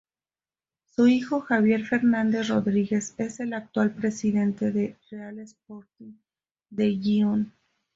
Su hijo, Javier Fernández Rodríguez, es el actual presidente del Real Sporting de Gijón.